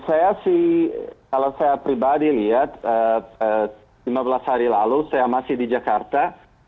saya sih kalau saya pribadi lihat lima belas hari lalu saya masih di jakarta